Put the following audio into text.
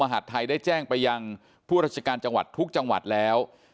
หาดไทยได้แจ้งไปยังผู้ราชการจังหวัดทุกจังหวัดแล้ว